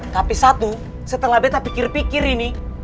tapi satu setelah beta pikir pikir ini